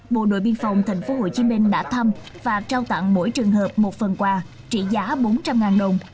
bộ đội biên phòng tp hcm đã thăm và trao tặng mỗi trường hợp một phần quà trị giá bốn trăm linh đồng